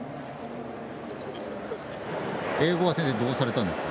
英語は先生どうされたんですか？